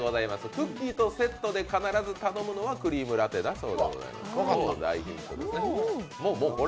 クッキーとセットで必ず頼むのはクリームラテだそうです。